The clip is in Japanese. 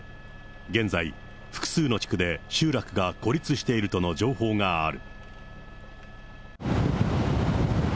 現在、複数の地区で集落が孤立しているとの情報がある。